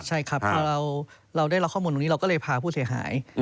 ใช่ครับคือเราได้รับข้อมูลตรงนี้เราก็เลยพาผู้เสียหาย